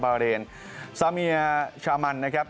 บาร์เลนซามียาชามันนะครับ